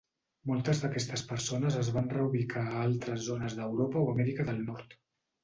Moltes d'aquestes persones es van reubicar a altres zones d'Europa o Amèrica del Nord.